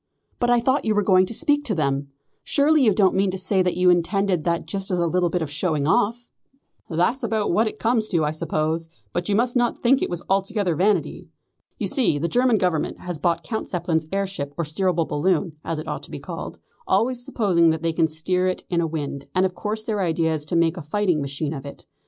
"But I thought you were going to speak them. Surely you don't mean to say that you intended that just as a little bit of showing off?" "That's about what it comes to, I suppose, but you must not think it was altogether vanity. You see the German Government has bought Count Zeppelin's air ship or steerable balloon, as it ought to be called, always supposing that they can steer it in a wind, and of course their idea is to make a fighting machine of it.